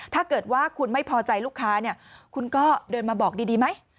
ถ้าเกิดว่าคุณไม่พอใจลูกค้าเนี่ยคุณก็เดินมาบอกดีไหม